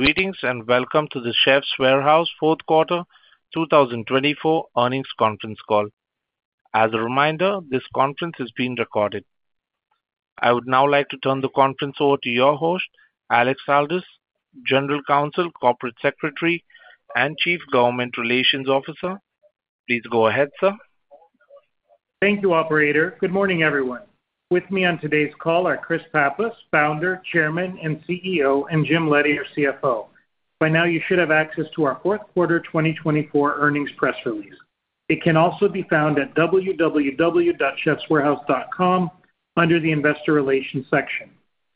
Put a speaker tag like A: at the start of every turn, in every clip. A: Greetings and welcome to the Chefs' Warehouse Fourth Quarter 2024 earnings conference call. As a reminder, this conference is being recorded. I would now like to turn the conference over to your host, Alex Aldous, General Counsel, Corporate Secretary, and Chief Government Relations Officer. Please go ahead, Sir.
B: Thank you, Operator. Good morning, everyone. With me on today's call are Chris Pappas, Founder, Chairman, and CEO, and Jim Leddy, our CFO. By now, you should have access to our Fourth Quarter 2024 Earnings Press Release. It can also be found at www.chefswarehouse.com under the Investor Relations section.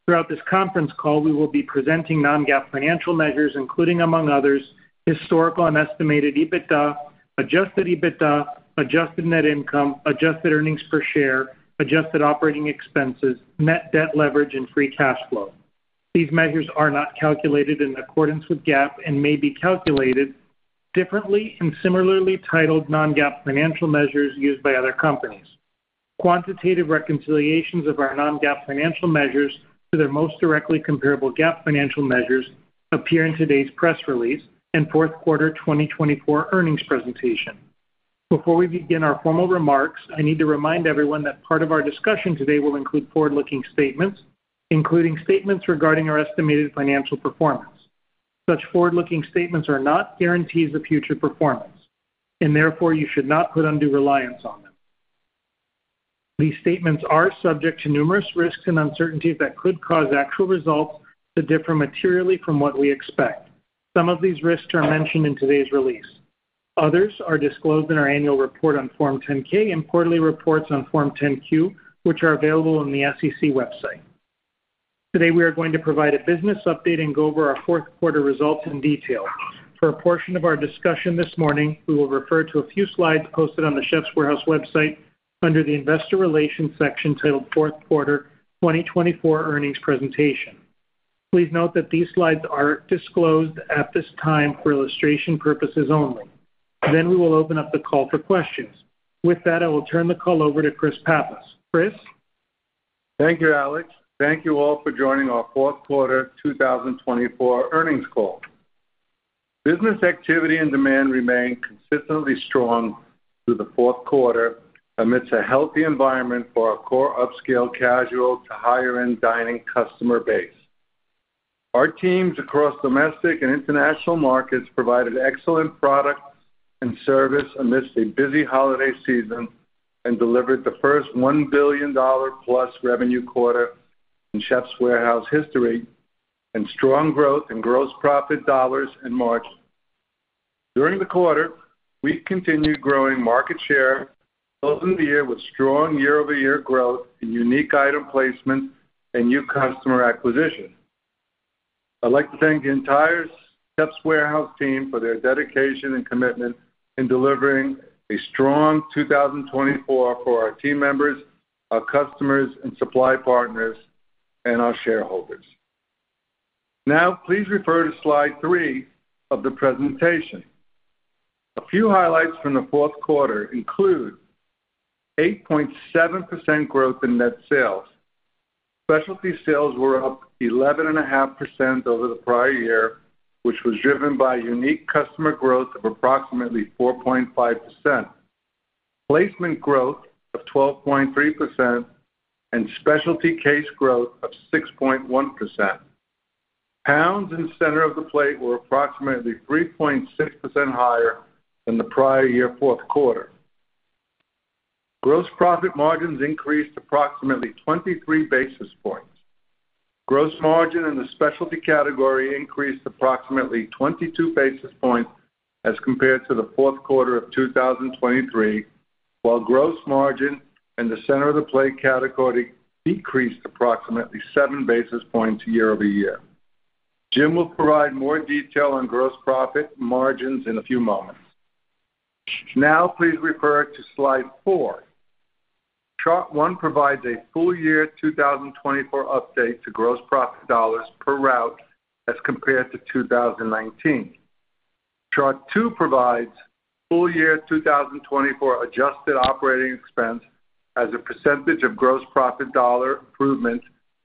B: Throughout this conference call, we will be presenting non-GAAP financial measures, including, among others, historical and estimated EBITDA, Adjusted EBITDA, Adjusted Net Income, Adjusted Earnings Per Share, Adjusted Operating Expenses, net debt leverage, and free cash flow. These measures are not calculated in accordance with GAAP and may be calculated differently in similarly titled non-GAAP financial measures used by other companies. Quantitative reconciliations of our non-GAAP financial measures to their most directly comparable GAAP financial measures appear in today's press release and Fourth Quarter 2024 Earnings Presentation. Before we begin our formal remarks, I need to remind everyone that part of our discussion today will include forward-looking statements, including statements regarding our estimated financial performance. Such forward-looking statements are not guarantees of future performance, and therefore you should not put undue reliance on them. These statements are subject to numerous risks and uncertainties that could cause actual results to differ materially from what we expect. Some of these risks are mentioned in today's release. Others are disclosed in our annual report on Form 10-K and quarterly reports on Form 10-Q, which are available on the SEC website. Today, we are going to provide a business update and go over our Fourth Quarter results in detail. For a portion of our discussion this morning, we will refer to a few slides posted on the Chefs' Warehouse website under the Investor Relations section titled Fourth Quarter 2024 Earnings Presentation. Please note that these slides are disclosed at this time for illustration purposes only. Then we will open up the call for questions. With that, I will turn the call over to Chris Pappas. Chris?
C: Thank you, Alex. Thank you all for joining our Fourth Quarter 2024 earnings call. Business activity and demand remain consistently strong through the fourth quarter amidst a healthy environment for our core upscale casual to higher-end dining customer base. Our teams across domestic and international markets provided excellent product and service amidst a busy holiday season and delivered the first $1 billion-plus revenue quarter in Chefs' Warehouse history and strong growth in gross profit dollars in March. During the quarter, we continued growing market share, closing the year with strong year-over-year growth in unique item placements and new customer acquisition. I'd like to thank the entire Chefs' Warehouse team for their dedication and commitment in delivering a strong 2024 for our team members, our customers, and supply partners, and our shareholders. Now, please refer to Slide 3 of the presentation. A few highlights from the fourth quarter include 8.7% growth in net sales. Specialty sales were up 11.5% over the prior year, which was driven by unique customer growth of approximately 4.5%, placement growth of 12.3%, and specialty case growth of 6.1%. Pounds in Center of the Plate were approximately 3.6% higher than the prior year fourth quarter. Gross profit margins increased approximately 23 basis points. Gross margin in the specialty category increased approximately 22 basis points as compared to the fourth quarter of 2023, while gross margin in the Center of the Plate category decreased approximately 7 basis points year-over-year. Jim will provide more detail on gross profit margins in a few moments. Now, please refer to Slide 4. Chart one provides a full year 2024 update to gross profit dollars per route as compared to 2019. Chart two provides full year 2024 adjusted operating expense as a percentage of gross profit dollar improvement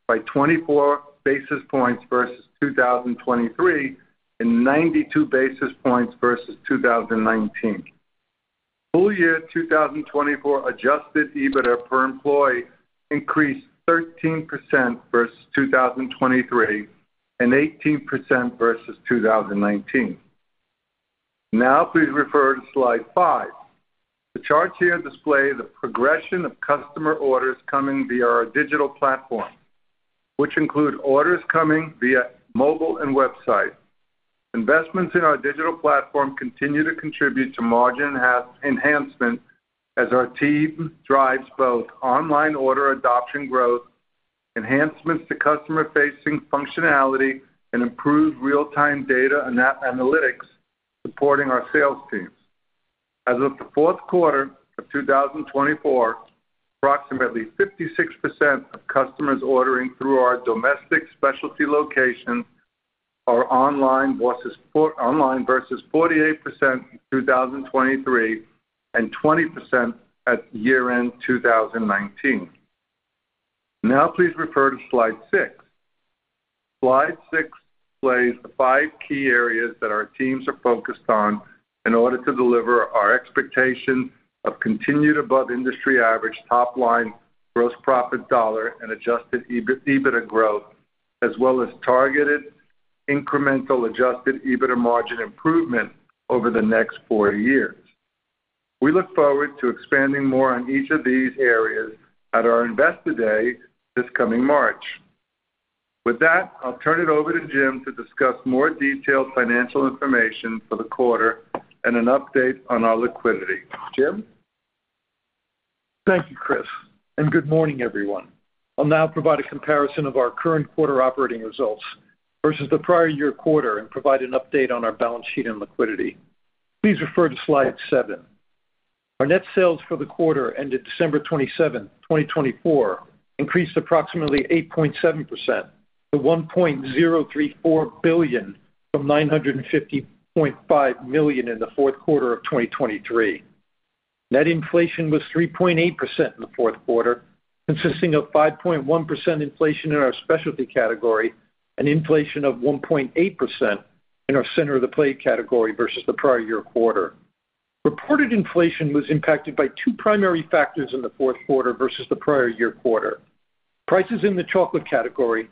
C: by 24 basis points versus 2023 and 92 basis points versus 2019. Full year 2024 Adjusted EBITDA per employee increased 13% versus 2023 and 18% versus 2019. Now, please refer to Slide 5. The charts here display the progression of customer orders coming via our digital platform, which include orders coming via mobile and website. Investments in our digital platform continue to contribute to margin enhancement as our team drives both online order adoption growth, enhancements to customer-facing functionality, and improved real-time data and analytics supporting our sales teams. As of the fourth quarter of 2024, approximately 56% of customers ordering through our domestic specialty locations are online versus 48% in 2023 and 20% at year-end 2019. Now, please refer to Slide 6. Slide 6 displays the five key areas that our teams are focused on in order to deliver our expectation of continued above industry average top-line gross profit dollar and Adjusted EBITDA growth, as well as targeted incremental Adjusted EBITDA margin improvement over the next four years. We look forward to expanding more on each of these areas at our Investor Day this coming March. With that, I'll turn it over to Jim to discuss more detailed financial information for the quarter and an update on our liquidity. Jim?
D: Thank you, Chris. And good morning, everyone. I'll now provide a comparison of our current quarter operating results versus the prior year quarter and provide an update on our balance sheet and liquidity. Please refer to Slide 7. Our net sales for the quarter ended December 27, 2024, increased approximately 8.7% to $1.034 billion from $950.5 million in the fourth quarter of 2023. Net inflation was 3.8% in the fourth quarter, consisting of 5.1% inflation in our specialty category and inflation of 1.8% in our Center of the Plate category versus the prior year quarter. Reported inflation was impacted by two primary factors in the fourth quarter versus the prior year quarter. Prices in the chocolate category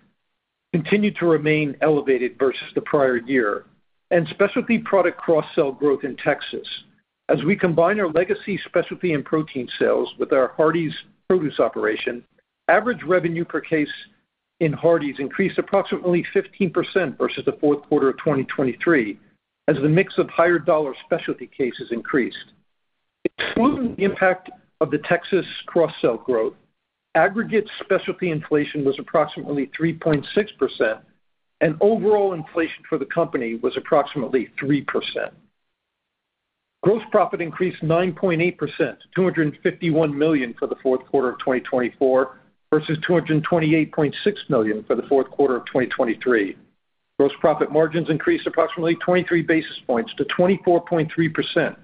D: continued to remain elevated versus the prior year, and specialty product cross-sell growth in Texas. As we combine our legacy specialty and protein sales with our Hardie's produce operation, average revenue per case in Hardie's increased approximately 15% versus the fourth quarter of 2023 as the mix of higher dollar specialty cases increased. Excluding the impact of the Texas cross-sell growth, aggregate specialty inflation was approximately 3.6%, and overall inflation for the company was approximately 3%. Gross profit increased 9.8% to $251 million for the fourth quarter of 2024 versus $228.6 million for the fourth quarter of 2023. Gross profit margins increased approximately 23 basis points to 24.3%,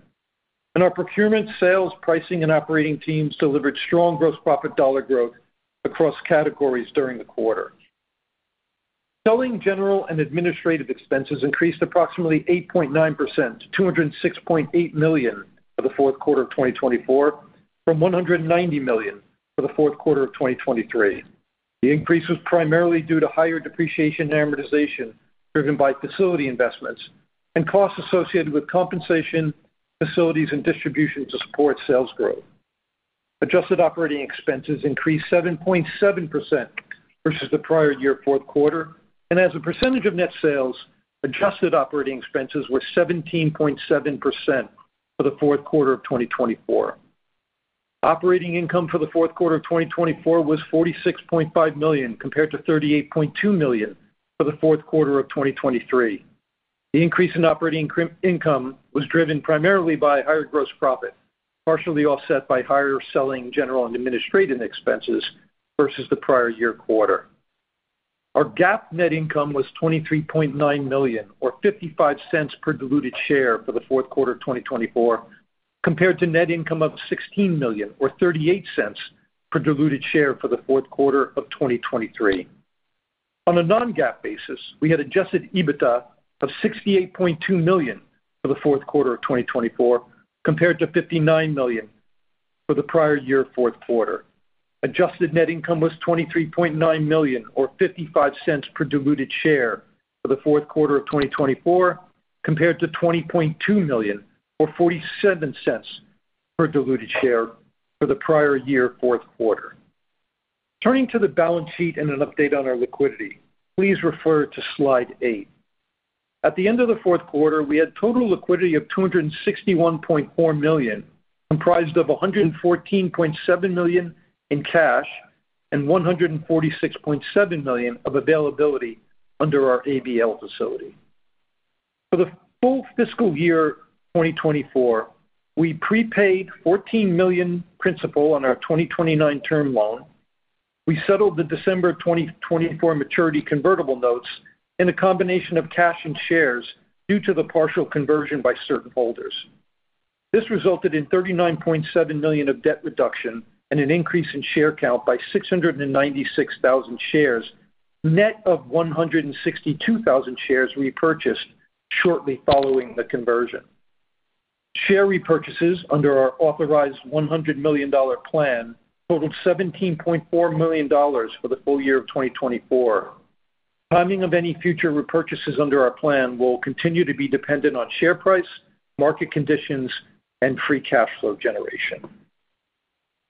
D: and our procurement, sales, pricing, and operating teams delivered strong gross profit dollar growth across categories during the quarter. Selling, General, and Administrative expenses increased approximately 8.9% to $206.8 million for the fourth quarter of 2024 from $190 million for the fourth quarter of 2023. The increase was primarily due to higher depreciation and amortization driven by facility investments and costs associated with compensation, facilities, and distribution to support sales growth. Adjusted Operating Expenses increased 7.7% versus the prior year fourth quarter, and as a percentage of net sales, Adjusted Operating Expenses were 17.7% for the fourth quarter of 2024. Operating income for the fourth quarter of 2024 was $46.5 million compared to $38.2 million for the fourth quarter of 2023. The increase in operating income was driven primarily by higher gross profit, partially offset by higher Selling, General, and Administrative expenses versus the prior year quarter. Our GAAP net income was $23.9 million, or $0.55 per diluted share for the fourth quarter of 2024, compared to net income of $16 million, or $0.38 per diluted share for the fourth quarter of 2023. On a non-GAAP basis, we had Adjusted EBITDA of $68.2 million for the fourth quarter of 2024, compared to $59 million for the prior year fourth quarter. Adjusted Net Income was $23.9 million, or $0.55 per diluted share for the fourth quarter of 2024, compared to $20.2 million, or $0.47 per diluted share for the prior year fourth quarter. Turning to the balance sheet and an update on our liquidity, please refer to Slide 8. At the end of the fourth quarter, we had total liquidity of $261.4 million, comprised of $114.7 million in cash and $146.7 million of availability under our ABL facility. For the full fiscal year 2024, we prepaid $14 million principal on our 2029 term loan. We settled the December 2024 maturity convertible notes in a combination of cash and shares due to the partial conversion by certain holders. This resulted in $39.7 million of debt reduction and an increase in share count by 696,000 shares, net of 162,000 shares repurchased shortly following the conversion. Share repurchases under our authorized $100 million plan totaled $17.4 million for the full year of 2024. Timing of any future repurchases under our plan will continue to be dependent on share price, market conditions, and free cash flow generation.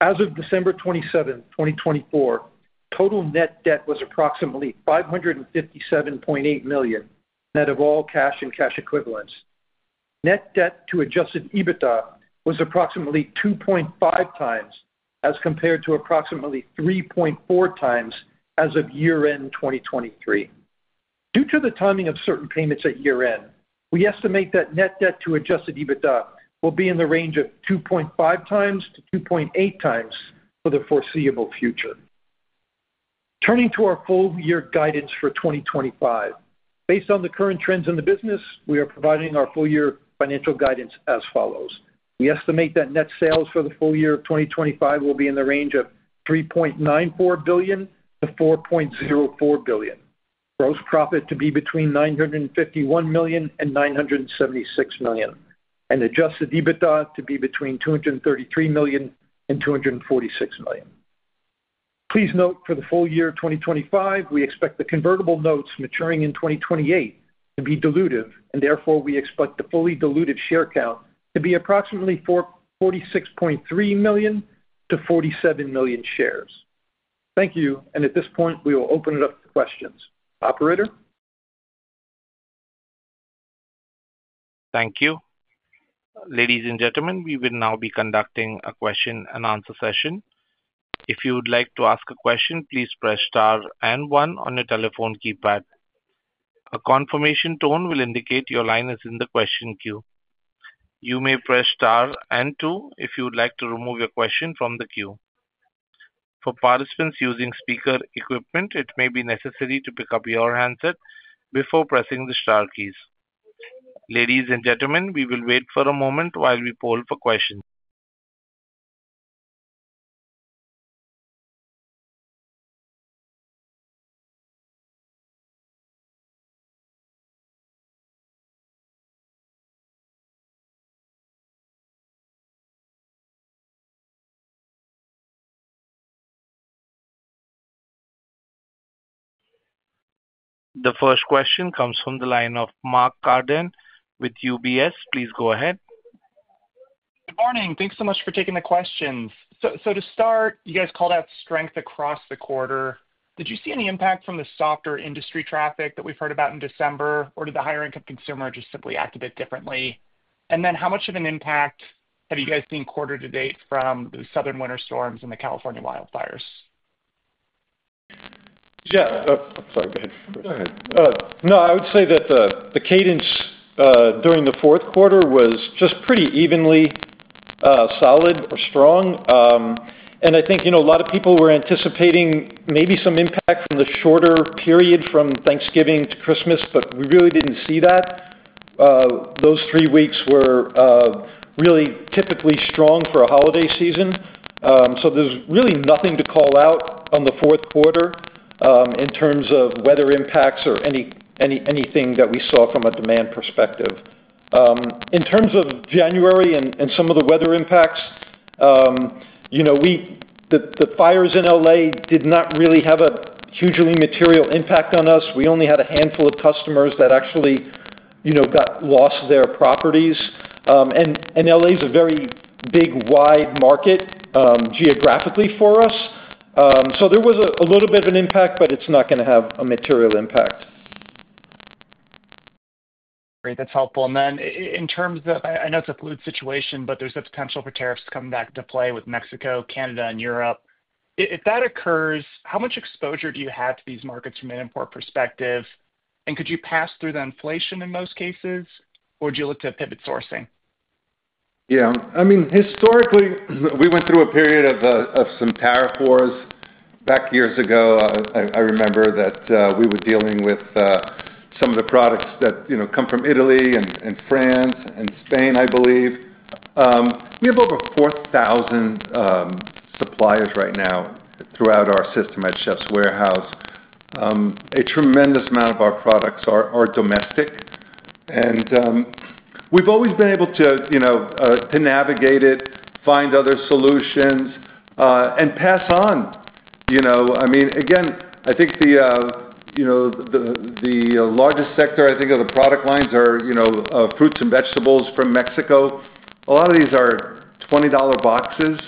D: As of December 27, 2024, total net debt was approximately $557.8 million, net of all cash and cash equivalents. Net debt to Adjusted EBITDA was approximately 2.5 times as compared to approximately 3.4 times as of year-end 2023. Due to the timing of certain payments at year-end, we estimate that net debt to Adjusted EBITDA will be in the range of 2.5-2.8 times for the foreseeable future. Turning to our full year guidance for 2025, based on the current trends in the business, we are providing our full year financial guidance as follows. We estimate that net sales for the full year of 2025 will be in the range of $3.94 billion-$4.04 billion, gross profit to be between $951 million and $976 million, and Adjusted EBITDA to be between $233 million and $246 million. Please note for the full year 2025, we expect the convertible notes maturing in 2028 to be dilutive, and therefore we expect the fully diluted share count to be approximately 46.3 million-47 million shares. Thank you, and at this point, we will open it up to questions. Operator?
A: Thank you. Ladies and gentlemen, we will now be conducting a question-and-answer session. If you would like to ask a question, please press star and one on your telephone keypad. A confirmation tone will indicate your line is in the question queue. You may press star and two if you would like to remove your question from the queue. For participants using speaker equipment, it may be necessary to pick up your handset before pressing the star keys. Ladies and gentlemen, we will wait for a moment while we poll for questions. The first question comes from the line of Mark Carden with UBS. Please go ahead.
E: Good morning. Thanks so much for taking the questions. So to start, you guys called out strength across the quarter. Did you see any impact from the softer industry traffic that we've heard about in December, or did the higher income consumer just simply act a bit differently? And then how much of an impact have you guys seen quarter to date from the southern winter storms and the California wildfires?
C: Yeah. I'm sorry. Go ahead.
E: Go ahead.
C: No, I would say that the cadence during the fourth quarter was just pretty evenly solid or strong. And I think a lot of people were anticipating maybe some impact from the shorter period from Thanksgiving to Christmas, but we really didn't see that. Those three weeks were really typically strong for a holiday season. So there's really nothing to call out on the fourth quarter in terms of weather impacts or anything that we saw from a demand perspective. In terms of January and some of the weather impacts, the fires in L.A. did not really have a hugely material impact on us. We only had a handful of customers that actually lost their properties. And L.A. is a very big, wide market geographically for us. So there was a little bit of an impact, but it's not going to have a material impact.
E: Great. That's helpful. And then in terms of, I know it's a fluid situation, but there's the potential for tariffs to come back into play with Mexico, Canada, and Europe. If that occurs, how much exposure do you have to these markets from an import perspective? And could you pass through the inflation in most cases, or do you look to pivot sourcing?
C: Yeah. I mean, historically, we went through a period of some tariff wars back years ago. I remember that we were dealing with some of the products that come from Italy and France and Spain, I believe. We have over 4,000 suppliers right now throughout our system at Chefs' Warehouse. A tremendous amount of our products are domestic, and we've always been able to navigate it, find other solutions, and pass on. I mean, again, I think the largest sector, I think, of the product lines are fruits and vegetables from Mexico. A lot of these are $20 boxes.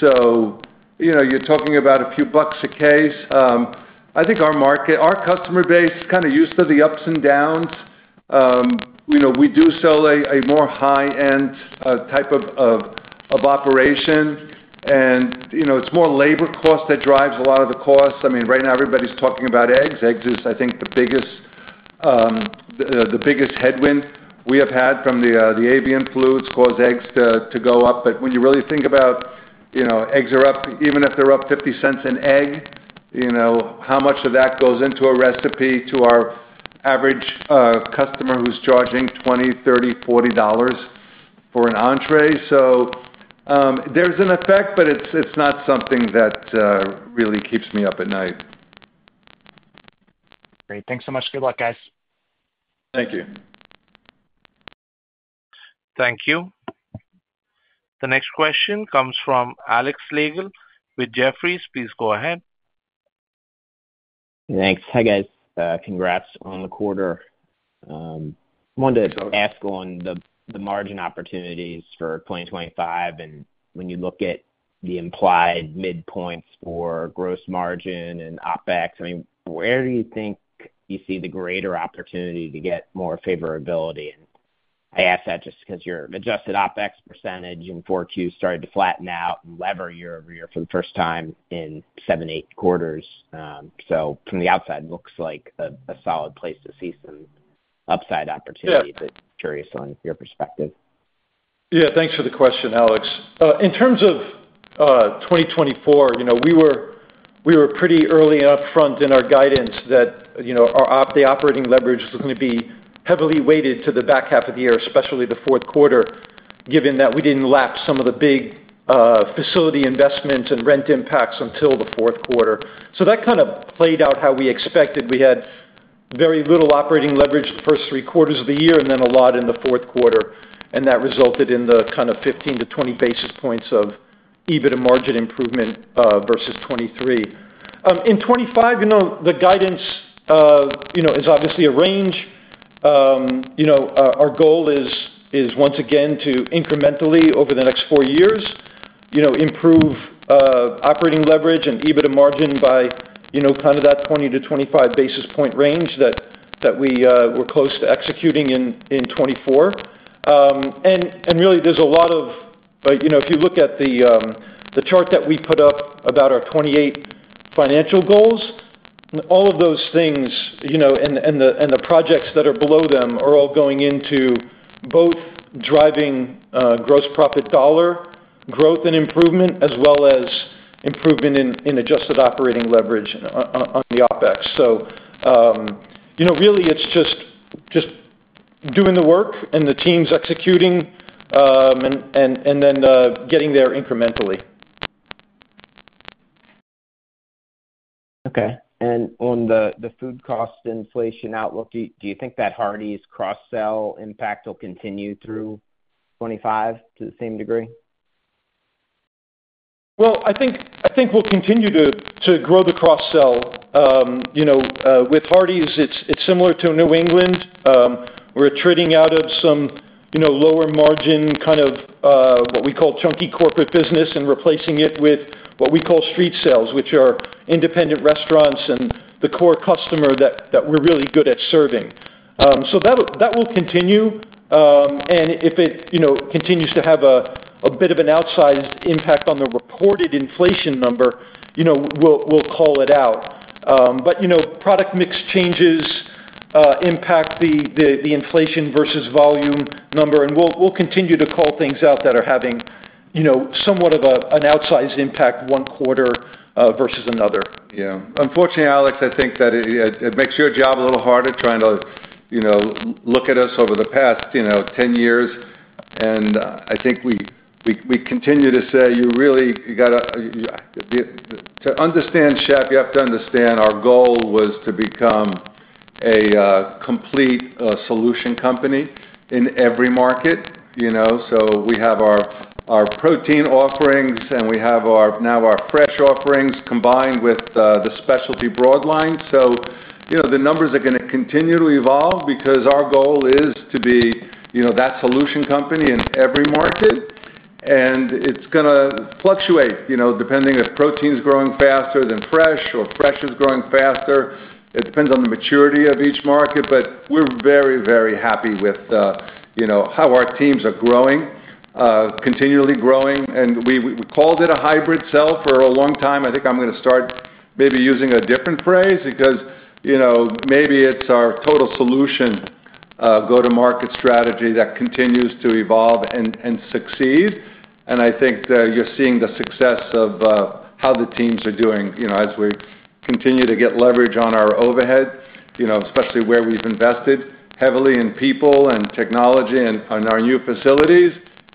C: So you're talking about a few bucks a case. I think our customer base is kind of used to the ups and downs. We do sell a more high-end type of operation, and it's more labor cost that drives a lot of the costs. I mean, right now, everybody's talking about eggs. Eggs is, I think, the biggest headwind we have had from the avian flu. It's caused eggs to go up. But when you really think about eggs are up, even if they're up $0.50 an egg, how much of that goes into a recipe to our average customer who's charging $20, $30, $40 for an entrée? So there's an effect, but it's not something that really keeps me up at night.
E: Great. Thanks so much. Good luck, guys.
C: Thank you.
A: Thank you. The next question comes from Alex Slagle with Jefferies. Please go ahead.
F: Thanks. Hi, guys. Congrats on the quarter. I wanted to ask on the margin opportunities for 2025. And when you look at the implied midpoint for gross margin and OpEx, I mean, where do you think you see the greater opportunity to get more favorability? And I ask that just because your adjusted OpEx percentage in 4Q started to flatten out and lever year over year for the first time in seven, eight quarters. So from the outside, it looks like a solid place to see some upside opportunity. But curious on your perspective.
C: Yeah. Thanks for the question, Alex. In terms of 2024, we were pretty early and upfront in our guidance that the operating leverage was going to be heavily weighted to the back half of the year, especially the fourth quarter, given that we didn't lap some of the big facility investments and rent impacts until the fourth quarter. So that kind of played out how we expected. We had very little operating leverage the first three quarters of the year and then a lot in the fourth quarter. And that resulted in the kind of 15-20 basis points of EBITDA margin improvement versus 2023. In 2025, the guidance is obviously a range. Our goal is, once again, to incrementally over the next four years improve operating leverage and EBITDA margin by kind of that 20-25 basis point range that we were close to executing in 2024. Really, there's a lot of, if you look at the chart that we put up about our 2028 financial goals, all of those things and the projects that are below them are all going into both driving gross profit dollar growth and improvement, as well as improvement in adjusted operating leverage on the OpEx. Really, it's just doing the work and the teams executing and then getting there incrementally.
F: Okay. And on the food cost inflation outlook, do you think that Hardie's cross-sell impact will continue through 2025 to the same degree?
C: I think we'll continue to grow the cross-sell. With Hardie's, it's similar to New England. We're trading out of some lower margin kind of what we call chunky corporate business and replacing it with what we call street sales, which are independent restaurants and the core customer that we're really good at serving. So that will continue. And if it continues to have a bit of an outsized impact on the reported inflation number, we'll call it out. But product mix changes impact the inflation versus volume number, and we'll continue to call things out that are having somewhat of an outsized impact one quarter versus another. Yeah. Unfortunately, Alex, I think that it makes your job a little harder trying to look at us over the past 10 years. I think we continue to say you really got to understand Chef. You have to understand our goal was to become a complete solution company in every market. So we have our protein offerings, and we have now our fresh offerings combined with the specialty broadline. So the numbers are going to continue to evolve because our goal is to be that solution company in every market. And it's going to fluctuate depending if protein's growing faster than fresh or fresh is growing faster. It depends on the maturity of each market. But we're very, very happy with how our teams are growing, continually growing. And we called it a hybrid sell for a long time. I think I'm going to start maybe using a different phrase because maybe it's our total solution go-to-market strategy that continues to evolve and succeed. I think you're seeing the success of how the teams are doing as we continue to get leverage on our overhead, especially where we've invested heavily in people and technology and our new facilities.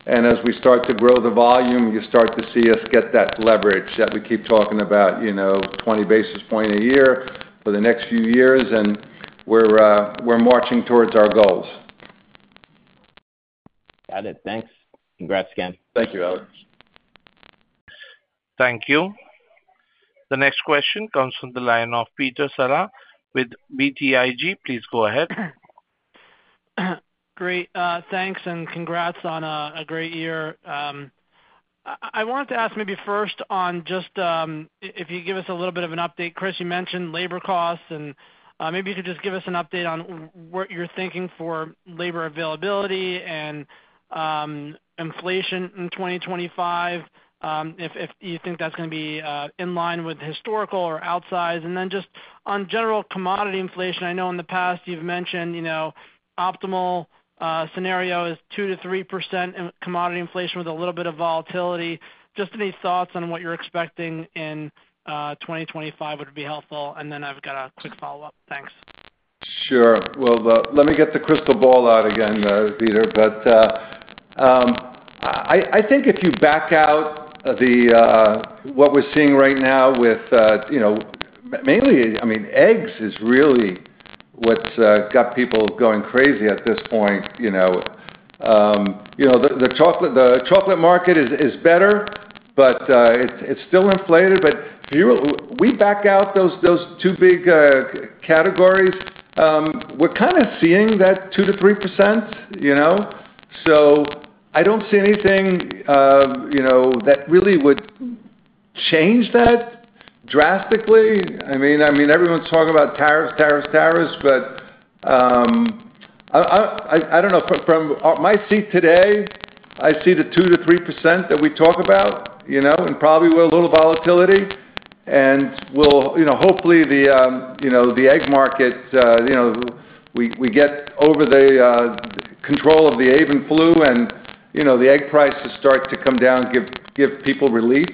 C: As we start to grow the volume, you start to see us get that leverage that we keep talking about, 20 basis points a year for the next few years. We're marching towards our goals.
F: Got it. Thanks. Congrats again.
C: Thank you, Alex.
A: Thank you. The next question comes from the line of Peter Saleh with BTIG. Please go ahead.
G: Great. Thanks and congrats on a great year. I wanted to ask maybe first on just if you give us a little bit of an update. Chris, you mentioned labor costs. And maybe you could just give us an update on what you're thinking for labor availability and inflation in 2025, if you think that's going to be in line with historical or outsized. And then just on general commodity inflation, I know in the past you've mentioned optimal scenario is 2%-3% commodity inflation with a little bit of volatility. Just any thoughts on what you're expecting in 2025 would be helpful. And then I've got a quick follow-up. Thanks.
C: Sure. Well, let me get the crystal ball out again, Peter. But I think if you back out what we're seeing right now with mainly, I mean, eggs is really what's got people going crazy at this point. The chocolate market is better, but it's still inflated. But if you were to back out those two big categories, we're kind of seeing that 2%-3%. So I don't see anything that really would change that drastically. I mean, everyone's talking about tariffs, tariffs, tariffs. But I don't know. From my seat today, I see the 2%-3% that we talk about and probably with a little volatility. And hopefully, the egg market, we get over the control of the avian flu and the egg prices start to come down, give people relief.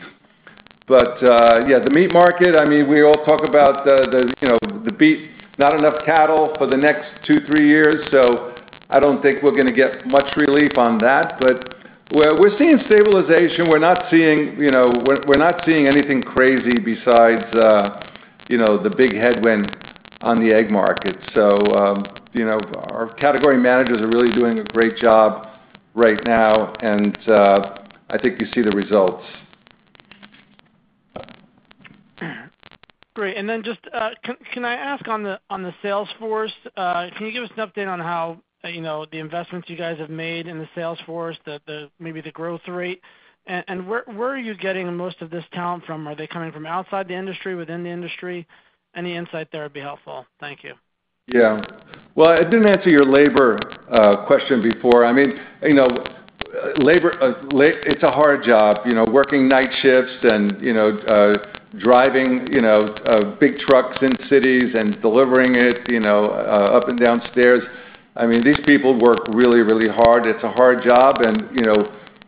C: But yeah, the meat market, I mean, we all talk about the beef, not enough cattle for the next two, three years. So I don't think we're going to get much relief on that. But we're seeing stabilization. We're not seeing anything crazy besides the big headwind on the egg market. So our category managers are really doing a great job right now. And I think you see the results.
G: Great. And then just can I ask on the sales force? Can you give us an update on how the investments you guys have made in the sales force, maybe the growth rate? And where are you getting most of this talent from? Are they coming from outside the industry, within the industry? Any insight there would be helpful. Thank you.
C: Yeah. Well, I didn't answer your labor question before. I mean, labor, it's a hard job. Working night shifts and driving big trucks in cities and delivering it up and down stairs. I mean, these people work really, really hard. It's a hard job. And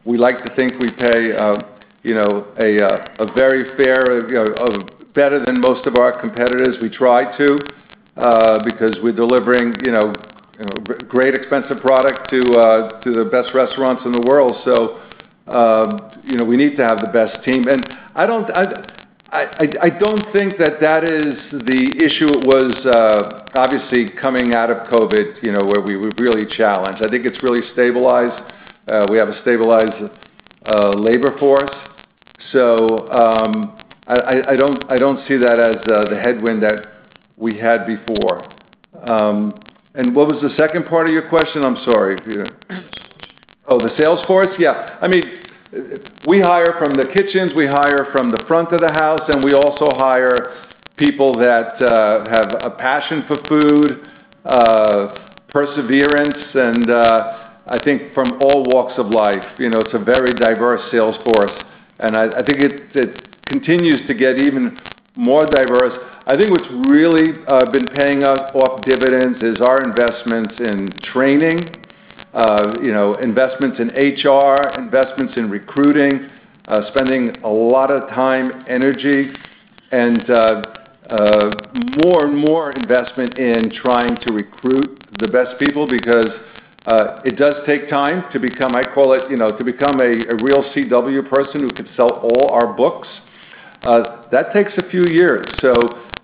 C: we like to think we pay a very fair wage or better than most of our competitors. We try to because we're delivering great expensive product to the best restaurants in the world. So we need to have the best team. And I don't think that that is the issue. It was obviously coming out of COVID where we were really challenged. I think it's really stabilized. We have a stabilized labor force. So I don't see that as the headwind that we had before. And what was the second part of your question? I'm sorry. Oh, the sales force? Yeah. I mean, we hire from the kitchens, we hire from the front of the house, and we also hire people that have a passion for food, perseverance, and I think from all walks of life. It's a very diverse sales force, and I think it continues to get even more diverse. I think what's really been paying off dividends is our investments in training, investments in HR, investments in recruiting, spending a lot of time, energy, and more and more investment in trying to recruit the best people because it does take time to become, I call it, to become a real CW person who can sell all our books. That takes a few years, so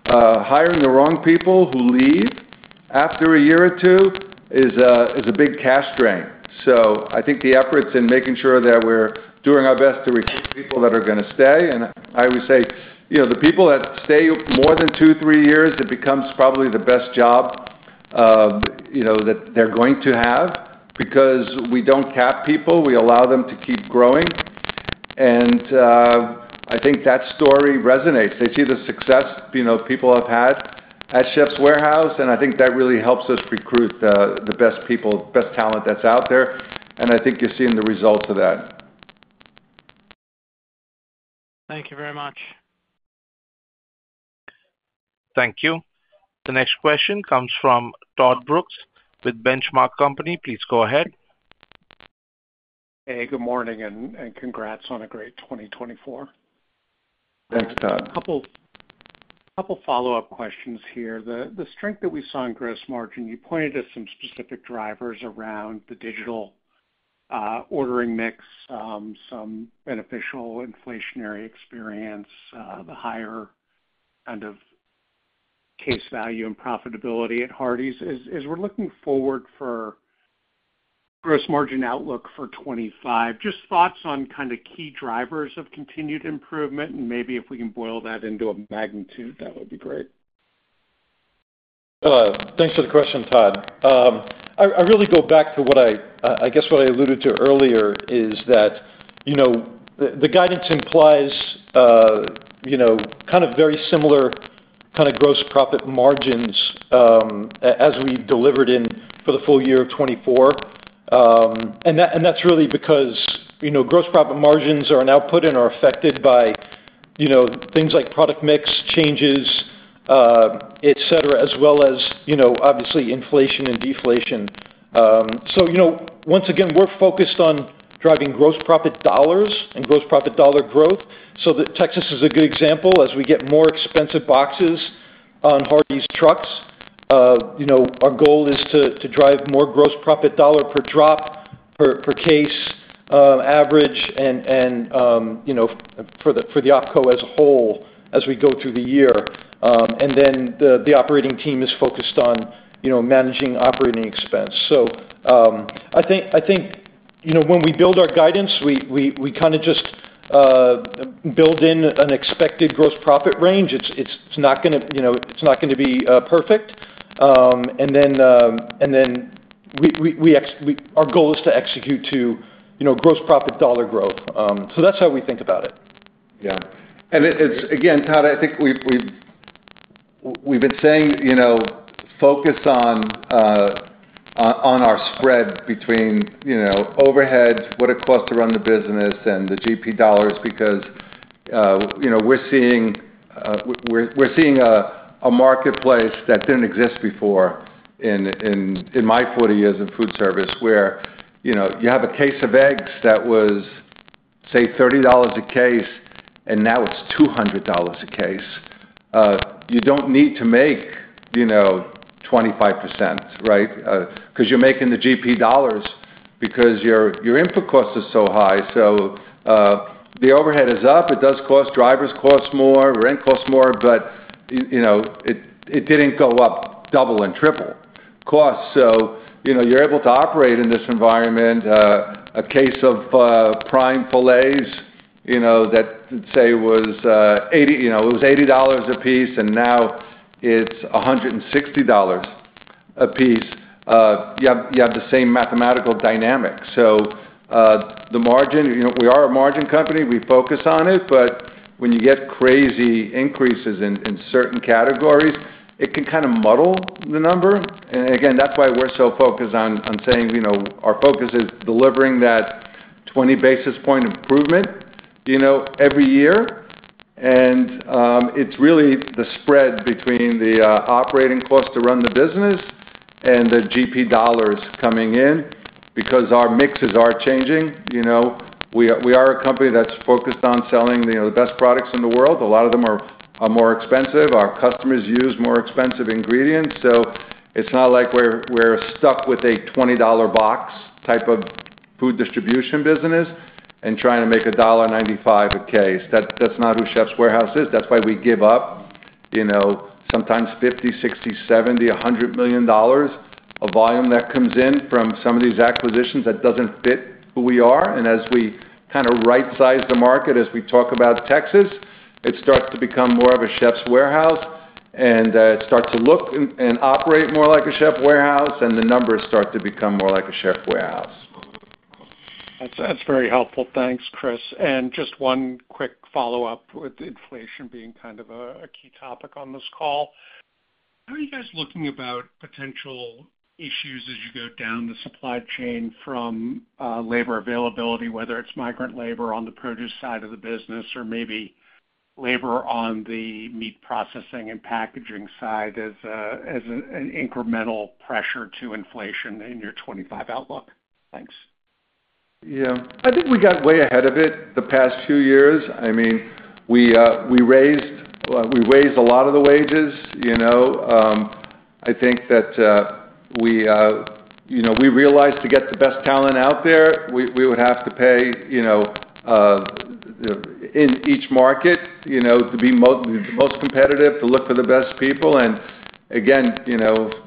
C: hiring the wrong people who leave after a year or two is a big cash drain. So I think the efforts in making sure that we're doing our best to recruit people that are going to stay. And I always say the people that stay more than two, three years, it becomes probably the best job that they're going to have because we don't cap people. We allow them to keep growing. And I think that story resonates. They see the success people have had at Chefs' Warehouse. And I think that really helps us recruit the best people, best talent that's out there. And I think you're seeing the results of that.
G: Thank you very much.
A: Thank you. The next question comes from Todd Brooks with Benchmark Company. Please go ahead.
H: Hey, good morning and congrats on a great 2024.
C: Thanks, Todd.
H: A couple follow-up questions here. The strength that we saw in gross margin, you pointed to some specific drivers around the digital ordering mix, some beneficial inflationary experience, the higher kind of case value and profitability at Hardie's. As we're looking forward for gross margin outlook for 2025, just thoughts on kind of key drivers of continued improvement and maybe if we can boil that into a magnitude, that would be great.
C: Thanks for the question, Todd. I really go back to what I guess I alluded to earlier is that the guidance implies kind of very similar kind of gross profit margins as we delivered in for the full year of 2024. And that's really because gross profit margins are an output and are affected by things like product mix changes, etc., as well as obviously inflation and deflation. So once again, we're focused on driving gross profit dollars and gross profit dollar growth. So Texas is a good example. As we get more expensive boxes on Hardie's trucks, our goal is to drive more gross profit dollar per drop, per case average, and for the OpCo as a whole as we go through the year. And then the operating team is focused on managing operating expense. I think when we build our guidance, we kind of just build in an expected gross profit range. It's not going to be perfect. Our goal is to execute to gross profit dollar growth. That's how we think about it. Yeah. And again, Todd, I think we've been saying focus on our spread between overhead, what it costs to run the business, and the GP dollars because we're seeing a marketplace that didn't exist before in my 40 years in food service where you have a case of eggs that was, say, $30 a case, and now it's $200 a case. You don't need to make 25%, right? Because you're making the GP dollars because your input cost is so high. The overhead is up. It does cost drivers cost more. Rent costs more. But it didn't go up double and triple costs. You're able to operate in this environment. A case of prime filets that, say, was $80 a piece, and now it's $160 a piece. You have the same mathematical dynamic. The margin, we are a margin company. We focus on it. But when you get crazy increases in certain categories, it can kind of muddle the number. And again, that's why we're so focused on saying our focus is delivering that 20 basis points improvement every year. And it's really the spread between the operating cost to run the business and the GP dollars coming in because our mixes are changing. We are a company that's focused on selling the best products in the world. A lot of them are more expensive. Our customers use more expensive ingredients. So it's not like we're stuck with a $20 box type of food distribution business and trying to make a $1.95 a case. That's not who Chefs' Warehouse is. That's why we give up sometimes $50 million, $60 million, $70 million, $100 million of volume that comes in from some of these acquisitions that doesn't fit who we are. And as we kind of right-size the market, as we talk about Texas, it starts to become more of a Chefs' Warehouse. And it starts to look and operate more like a Chefs' Warehouse. And the numbers start to become more like a Chefs' Warehouse.
H: That's very helpful. Thanks, Chris. And just one quick follow-up with inflation being kind of a key topic on this call. How are you guys looking about potential issues as you go down the supply chain from labor availability, whether it's migrant labor on the produce side of the business or maybe labor on the meat processing and packaging side as an incremental pressure to inflation in your 2025 outlook? Thanks.
C: Yeah. I think we got way ahead of it the past two years. I mean, we raised a lot of the wages. I think that we realized to get the best talent out there, we would have to pay in each market to be the most competitive, to look for the best people. And again,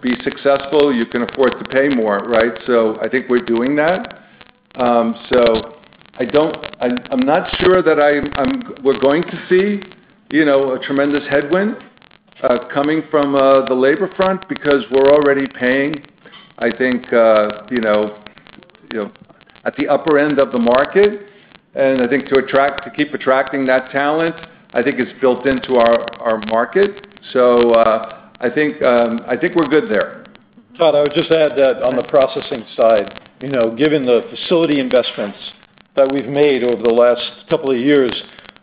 C: be successful, you can afford to pay more, right? So I think we're doing that. So I'm not sure that we're going to see a tremendous headwind coming from the labor front because we're already paying, I think, at the upper end of the market. And I think to keep attracting that talent, I think it's built into our market. So I think we're good there. Todd, I would just add that on the processing side, given the facility investments that we've made over the last couple of years,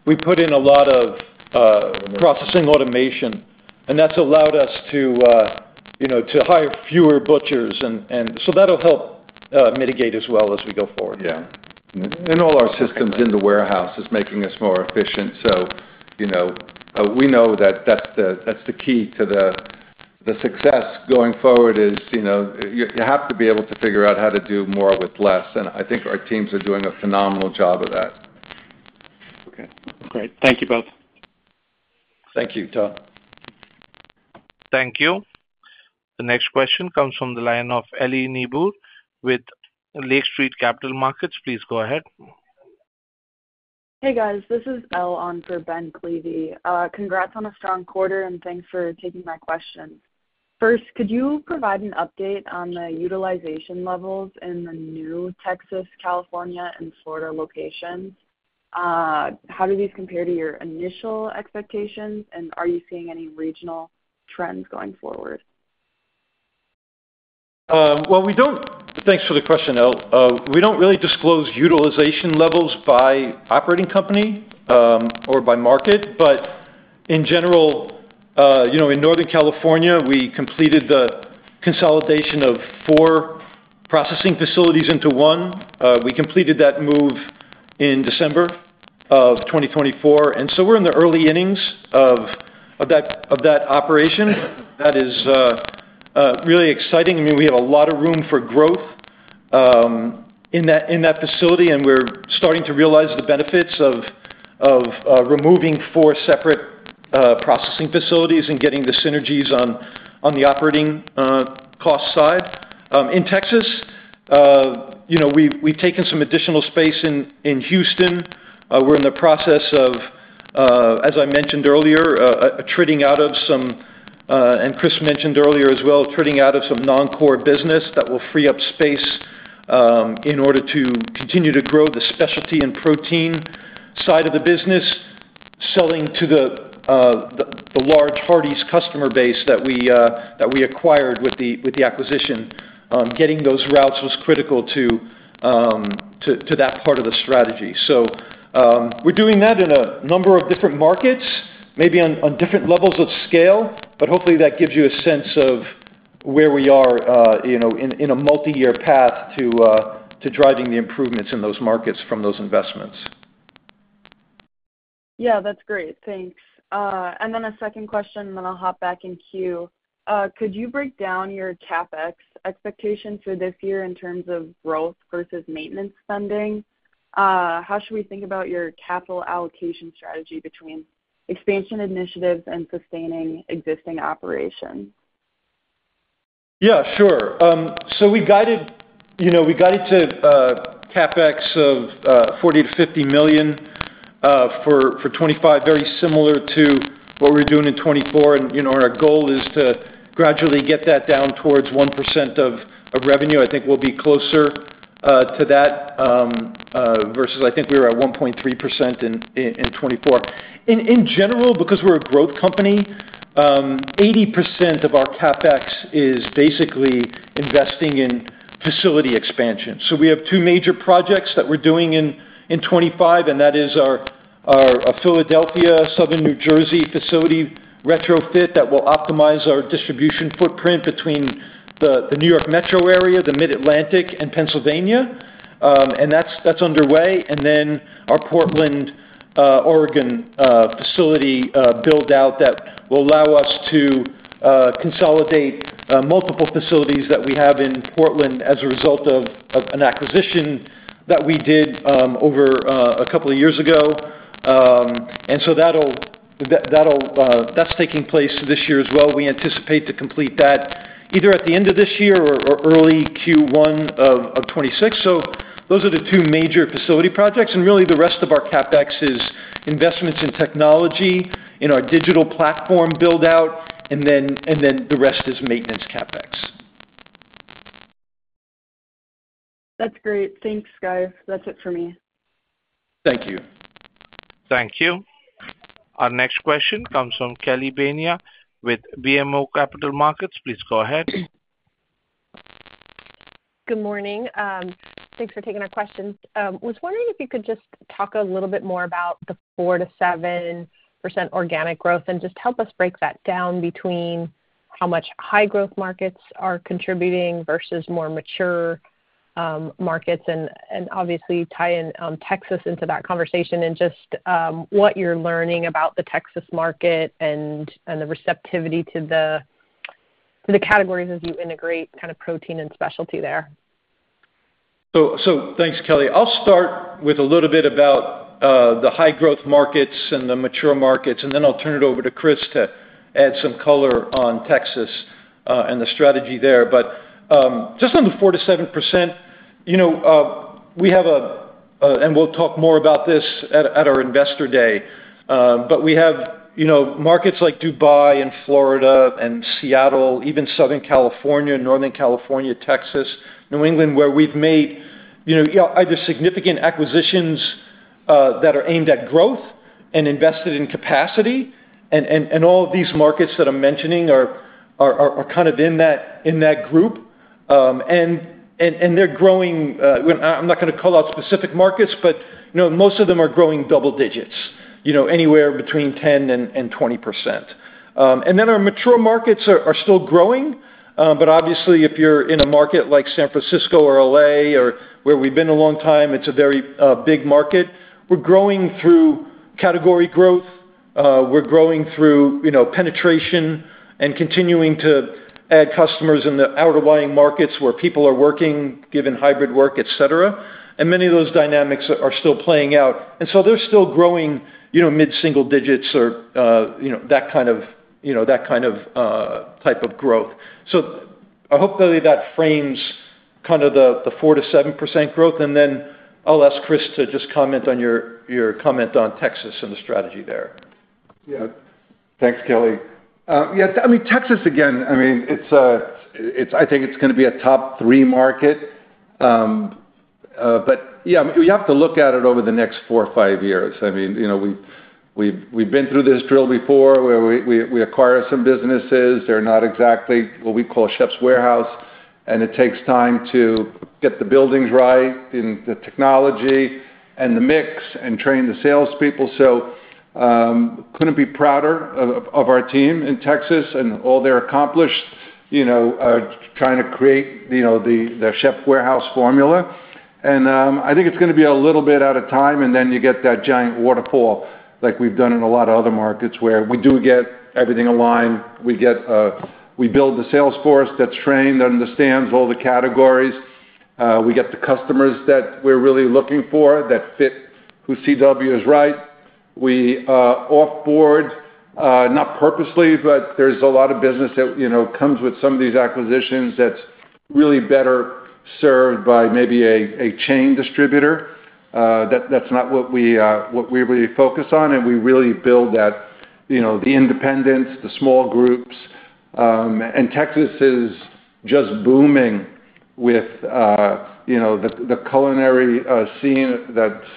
C: we put in a lot of processing automation. And that's allowed us to hire fewer butchers. And so that'll help mitigate as well as we go forward. Yeah. And all our systems in the warehouse is making us more efficient. So we know that that's the key to the success going forward is you have to be able to figure out how to do more with less. And I think our teams are doing a phenomenal job of that.
H: Okay. Great. Thank you both.
C: Thank you, Todd.
A: Thank you. The next question comes from the line of Elle Niebuhr with Lake Street Capital Markets. Please go ahead.
I: Hey, guys. This is Elle on for Ben Klieve. Congrats on a strong quarter, and thanks for taking my questions. First, could you provide an update on the utilization levels in the new Texas, California, and Florida locations? How do these compare to your initial expectations, and are you seeing any regional trends going forward?
D: Thanks for the question, Elle. We don't really disclose utilization levels by operating company or by market but in general, in Northern California, we completed the consolidation of four processing facilities into one. We completed that move in December of 2024 so we're in the early innings of that operation. That is really exciting. I mean, we have a lot of room for growth in that facility. We're starting to realize the benefits of removing four separate processing facilities and getting the synergies on the operating cost side. In Texas, we've taken some additional space in Houston. We're in the process of, as I mentioned earlier, trading out of some, and Chris mentioned earlier as well, trading out of some non-core business that will free up space in order to continue to grow the specialty and protein side of the business, selling to the large Hardie's customer base that we acquired with the acquisition. Getting those routes was critical to that part of the strategy. So we're doing that in a number of different markets, maybe on different levels of scale. But hopefully, that gives you a sense of where we are in a multi-year path to driving the improvements in those markets from those investments.
J: Yeah, that's great. Thanks. And then a second question, and then I'll hop back in queue. Could you break down your CapEx expectations for this year in terms of growth versus maintenance spending? How should we think about your capital allocation strategy between expansion initiatives and sustaining existing operations?
D: Yeah, sure. So we guided to CapEx of $40 million-$50 million for 2025, very similar to what we're doing in 2024. And our goal is to gradually get that down towards 1% of revenue. I think we'll be closer to that versus I think we were at 1.3% in 2024. In general, because we're a growth company, 80% of our CapEx is basically investing in facility expansion. So we have two major projects that we're doing in 2025, and that is our Philadelphia, Southern New Jersey facility retrofit that will optimize our distribution footprint between the New York metro area, the Mid-Atlantic, and Pennsylvania. And that's underway. And then our Portland, Oregon facility build-out that will allow us to consolidate multiple facilities that we have in Portland as a result of an acquisition that we did over a couple of years ago. And so that's taking place this year as well. We anticipate to complete that either at the end of this year or early Q1 of 2026. So those are the two major facility projects. And really, the rest of our CapEx is investments in technology, in our digital platform build-out, and then the rest is maintenance CapEx.
J: That's great. Thanks, guys. That's it for me.
C: Thank you.
A: Thank you. Our next question comes from Kelly Bania with BMO Capital Markets. Please go ahead.
K: Good morning. Thanks for taking our questions. I was wondering if you could just talk a little bit more about the 4%-7% organic growth and just help us break that down between how much high-growth markets are contributing versus more mature markets, and obviously tie in Texas into that conversation and just what you're learning about the Texas market and the receptivity to the categories as you integrate kind of protein and specialty there.
D: So thanks, Kelly. I'll start with a little bit about the high-growth markets and the mature markets. And then I'll turn it over to Chris to add some color on Texas and the strategy there. But just on the 4%-7%, we have a, and we'll talk more about this at our Investor Day, but we have markets like Dubai and Florida and Seattle, even Southern California, Northern California, Texas, New England, where we've made either significant acquisitions that are aimed at growth and invested in capacity. And all of these markets that I'm mentioning are kind of in that group. And they're growing, I'm not going to call out specific markets, but most of them are growing double digits, anywhere between 10% and 20%. And then our mature markets are still growing.
C: But obviously, if you're in a market like San Francisco or L.A. or where we've been a long time, it's a very big market. We're growing through category growth. We're growing through penetration and continuing to add customers in the outer buying markets where people are working, given hybrid work, etc. And many of those dynamics are still playing out. And so they're still growing mid-single digits or that kind of type of growth. So I hope, Kelly, that frames kind of the 4%-7% growth. And then I'll ask Chris to just comment on your comment on Texas and the strategy there. Yeah. Thanks, Kelly. Yeah. I mean, Texas, again, I mean, I think it's going to be a top three market. But yeah, we have to look at it over the next four or five years. I mean, we've been through this drill before where we acquire some businesses. They're not exactly what we call Chefs' Warehouse. And it takes time to get the buildings right and the technology and the mix and train the salespeople. So couldn't be prouder of our team in Texas and all they've accomplished trying to create the Chefs' Warehouse formula. And I think it's going to be a little bit out of time. And then you get that giant waterfall like we've done in a lot of other markets where we do get everything aligned. We build the sales force that's trained, understands all the categories. We get the customers that we're really looking for that fit who CW is right. We offboard, not purposely, but there's a lot of business that comes with some of these acquisitions that's really better served by maybe a chain distributor. That's not what we really focus on. And we really build that, the independence, the small groups. And Texas is just booming with the culinary scene that's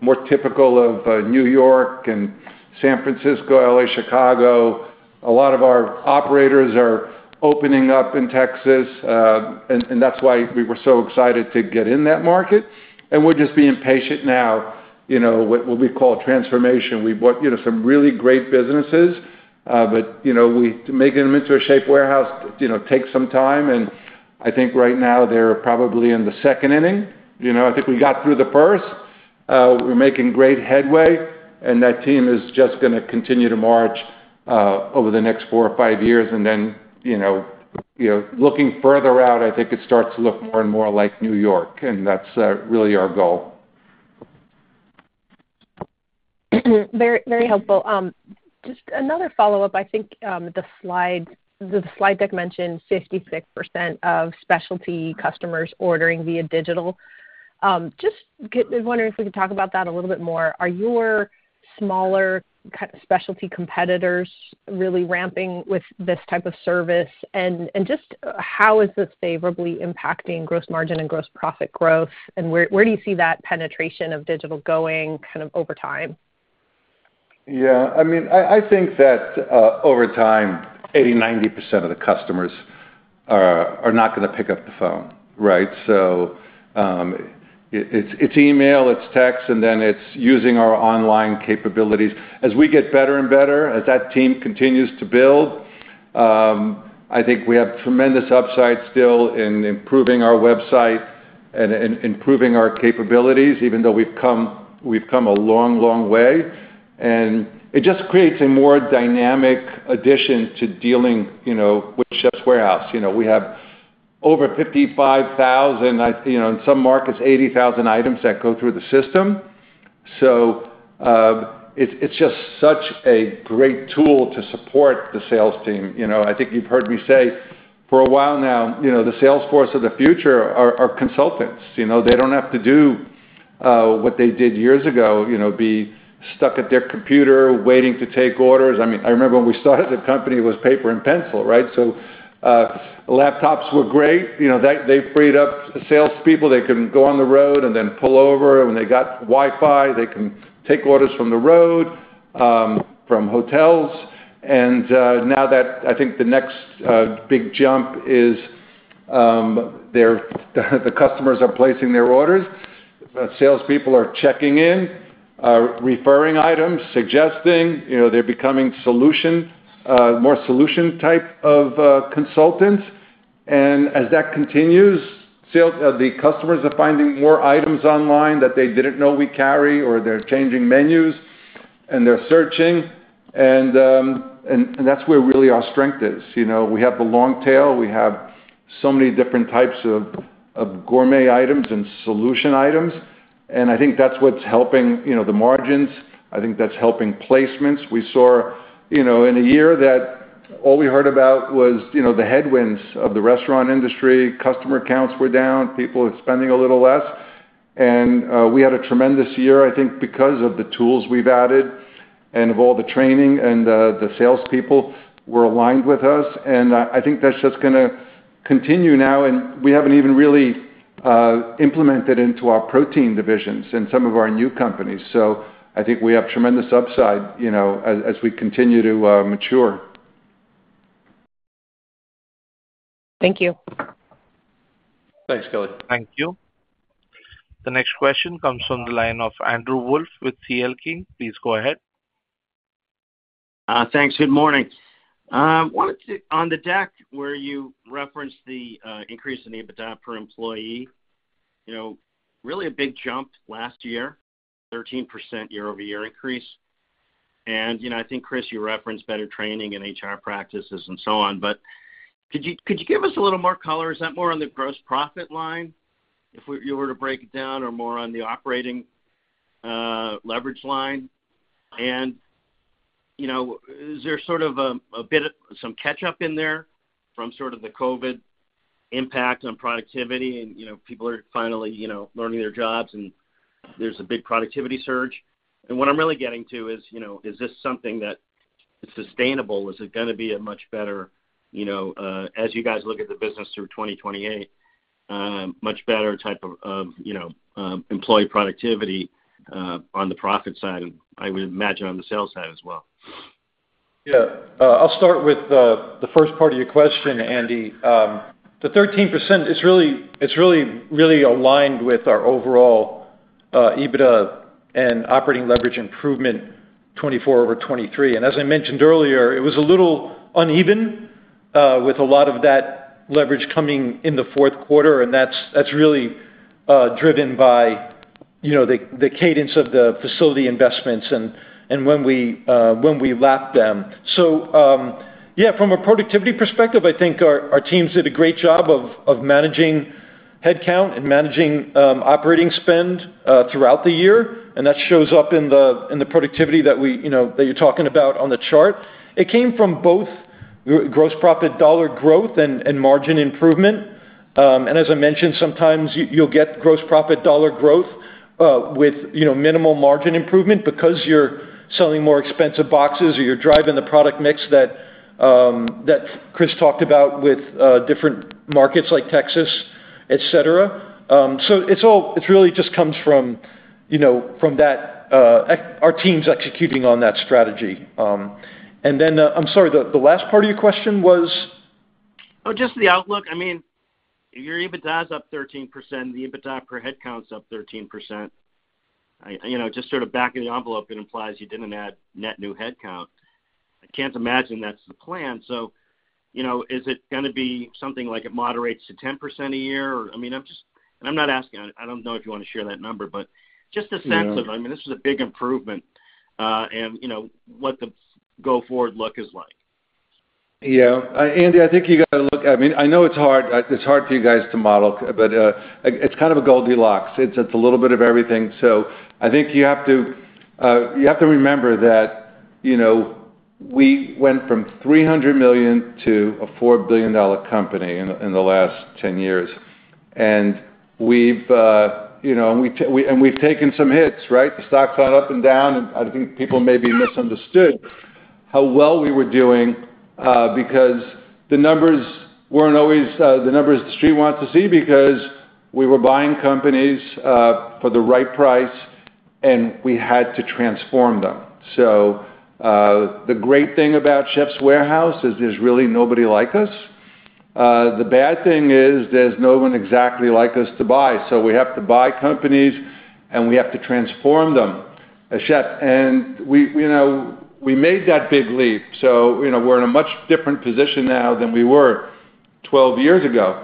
C: more typical of New York and San Francisco, L.A., Chicago. A lot of our operators are opening up in Texas. And that's why we were so excited to get in that market. And we're just being patient now with what we call transformation. We bought some really great businesses. But making them into a Chefs' Warehouse takes some time. And I think right now they're probably in the second inning. I think we got through the first. We're making great headway. And that team is just going to continue to march over the next four or five years. And then looking further out, I think it starts to look more and more like New York. And that's really our goal.
K: Very helpful. Just another follow-up. I think the slide deck mentioned 56% of specialty customers ordering via digital. Just wondering if we could talk about that a little bit more. Are your smaller specialty competitors really ramping with this type of service? And just how is this favorably impacting gross margin and gross profit growth? And where do you see that penetration of digital going kind of over time?
C: Yeah. I mean, I think that over time, 80%-90% of the customers are not going to pick up the phone, right? So it's email, it's text, and then it's using our online capabilities. As we get better and better, as that team continues to build, I think we have tremendous upside still in improving our website and improving our capabilities, even though we've come a long, long way, and it just creates a more dynamic addition to dealing with Chefs' Warehouse. We have over 55,000, in some markets, 80,000 items that go through the system. So it's just such a great tool to support the sales team. I think you've heard me say for a while now, the sales force of the future are consultants. They don't have to do what they did years ago, be stuck at their computer waiting to take orders. I mean, I remember when we started the company, it was paper and pencil, right? So laptops were great. They freed up salespeople. They could go on the road and then pull over. And when they got Wi-Fi, they can take orders from the road, from hotels. And now that I think the next big jump is the customers are placing their orders. Salespeople are checking in, referring items, suggesting. They're becoming more solution-type consultants. And as that continues, the customers are finding more items online that they didn't know we carry, or they're changing menus, and they're searching. And that's where really our strength is. We have the long tail. We have so many different types of gourmet items and solution items. And I think that's what's helping the margins. I think that's helping placements. We saw in a year that all we heard about was the headwinds of the restaurant industry. Customer counts were down. People were spending a little less. And we had a tremendous year, I think, because of the tools we've added and of all the training. And the salespeople were aligned with us. And I think that's just going to continue now. And we haven't even really implemented into our protein divisions and some of our new companies. So I think we have tremendous upside as we continue to mature.
K: Thank you.
D: Thanks, Kelly.
A: Thank you. The next question comes from the line of Andrew Wolf with CL King. Please go ahead.
L: Thanks. Good morning. On the deck where you referenced the increase in EBITDA per employee, really a big jump last year, 13% year-over-year increase. And I think, Chris, you referenced better training and HR practices and so on. But could you give us a little more color? Is that more on the gross profit line if you were to break it down or more on the operating leverage line? And is there sort of a bit of some catch-up in there from sort of the COVID impact on productivity? And people are finally learning their jobs, and there's a big productivity surge. And what I'm really getting to is this something that is sustainable? Is it going to be a much better, as you guys look at the business through 2028, much better type of employee productivity on the profit side, I would imagine, on the sales side as well?
D: Yeah. I'll start with the first part of your question, Andy. The 13% is really aligned with our overall EBITDA and operating leverage improvement 2024 over 2023. And as I mentioned earlier, it was a little uneven with a lot of that leverage coming in the fourth quarter. And that's really driven by the cadence of the facility investments and when we lapped them. So yeah, from a productivity perspective, I think our teams did a great job of managing headcount and managing operating spend throughout the year. And that shows up in the productivity that you're talking about on the chart. It came from both gross profit dollar growth and margin improvement. And as I mentioned, sometimes you'll get gross profit dollar growth with minimal margin improvement because you're selling more expensive boxes or you're driving the product mix that Chris talked about with different markets like Texas, etc.So it really just comes from that our team's executing on that strategy. And then I'm sorry, the last part of your question was?
L: Oh, just the outlook. I mean, your EBITDA is up 13%. The EBITDA per headcount's up 13%. Just sort of back-of-the-envelope, it implies you didn't add net new headcount. I can't imagine that's the plan. So is it going to be something like it moderates to 10% a year? I mean, I'm not asking, I don't know if you want to share that number, but just a sense of, I mean, this is a big improvement and what the go-forward look is like.
C: Yeah. Andy, I think you got to look, I mean, I know it's hard for you guys to model, but it's kind of a Goldilocks. It's a little bit of everything. So I think you have to remember that we went from $300 million to a $4 billion company in the last 10 years. And we've taken some hits, right? The stock's gone up and down. And I think people may be misunderstood how well we were doing because the numbers weren't always the numbers the street wants to see because we were buying companies for the right price, and we had to transform them. So the great thing about Chefs' Warehouse is there's really nobody like us. The bad thing is there's no one exactly like us to buy. So we have to buy companies, and we have to transform them as Chefs. And we made that big leap. So we're in a much different position now than we were 12 years ago.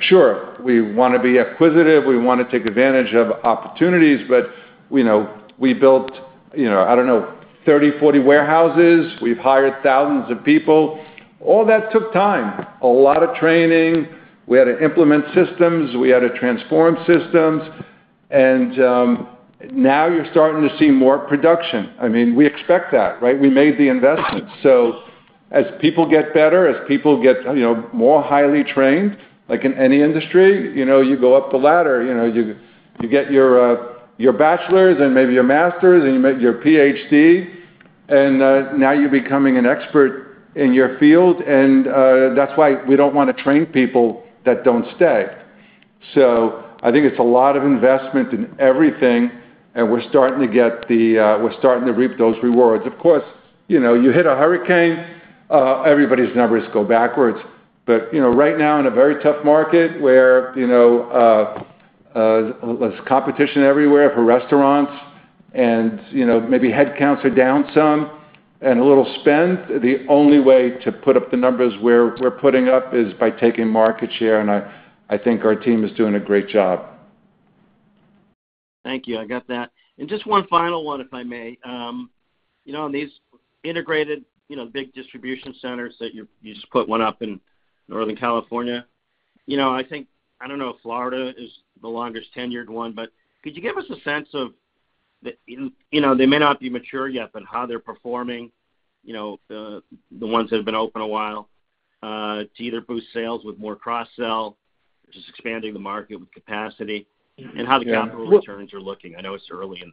C: Sure, we want to be acquisitive. We want to take advantage of opportunities. But we built, I don't know, 30, 40 warehouses. We've hired thousands of people. All that took time. A lot of training. We had to implement systems. We had to transform systems. And now you're starting to see more production. I mean, we expect that, right? We made the investment. So as people get better, as people get more highly trained, like in any industry, you go up the ladder. You get your bachelor's and maybe your master's and your Ph.D. And now you're becoming an expert in your field. And that's why we don't want to train people that don't stay. So I think it's a lot of investment in everything. And we're starting to reap those rewards. Of course, you hit a hurricane, everybody's numbers go backwards. But right now, in a very tough market where there's competition everywhere for restaurants and maybe headcounts are down some and a little spend, the only way to put up the numbers we're putting up is by taking market share. And I think our team is doing a great job.
L: Thank you. I got that. And just one final one, if I may. On these integrated big distribution centers that you just put one up in Northern California, I think, I don't know if Florida is the longest tenured one, but could you give us a sense of, they may not be mature yet, but how they're performing, the ones that have been open a while, to either boost sales with more cross-sell, which is expanding the market with capacity, and how the capital returns are looking? I know it's early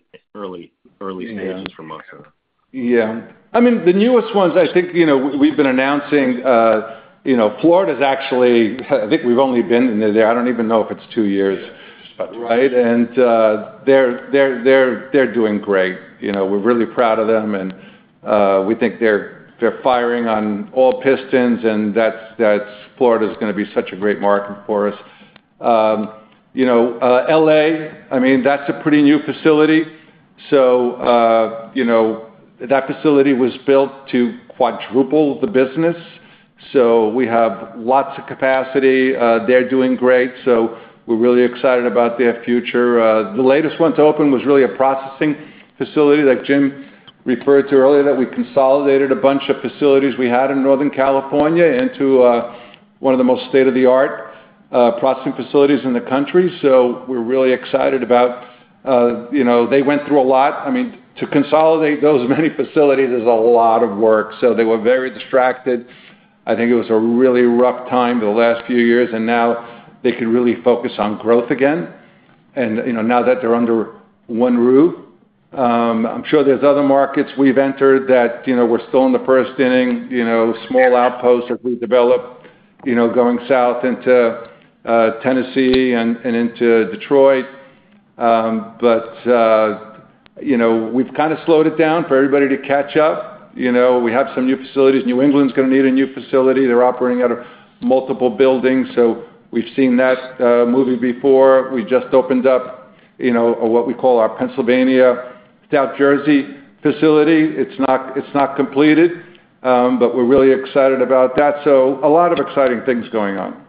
L: stages for most of them.
C: Yeah. I mean, the newest ones, I think we've been announcing. Florida's actually, I think we've only been in there. I don't even know if it's two years, right? They're doing great. We're really proud of them. We think they're firing on all pistons. Florida's going to be such a great market for us. LA, I mean, that's a pretty new facility. That facility was built to quadruple the business. We have lots of capacity. They're doing great. We're really excited about their future. The latest one to open was really a processing facility that Jim referred to earlier that we consolidated a bunch of facilities we had in Northern California into one of the most state-of-the-art processing facilities in the country. We're really excited about it. They went through a lot. I mean, to consolidate those many facilities is a lot of work. So they were very distracted. I think it was a really rough time the last few years. And now they can really focus on growth again. And now that they're under one roof, I'm sure there's other markets we've entered that we're still in the first inning, small outposts as we develop going south into Tennessee and into Detroit. But we've kind of slowed it down for everybody to catch up. We have some new facilities. New England's going to need a new facility. They're operating out of multiple buildings. So we've seen that movie before. We just opened up what we call our Pennsylvania, South Jersey facility. It's not completed, but we're really excited about that. So a lot of exciting things going on.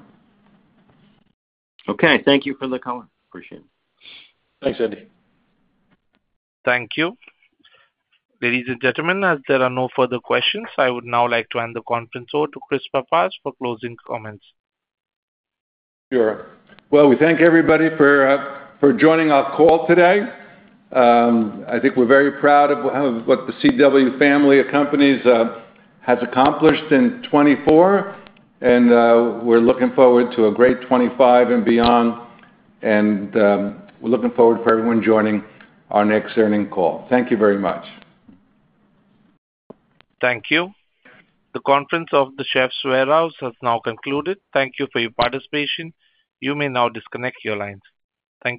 L: Okay. Thank you for the comment. Appreciate it.
D: Thanks, Andy.
A: Thank you. Ladies and gentlemen, as there are no further questions, I would now like to hand the conference over to Chris Pappas for closing comments.
C: Sure. We thank everybody for joining our call today. I think we're very proud of what the CW family of companies has accomplished in 2024. We're looking forward to a great 2025 and beyond, and we're looking forward for everyone joining our next earnings call. Thank you very much.
A: Thank you. The conference of the Chefs' Warehouse has now concluded. Thank you for your participation. You may now disconnect your lines. Thank you.